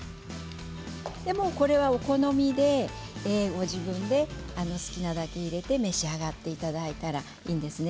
これはお好みで、ご自分で好きなだけ入れて召し上がっていただいたらいいんですね。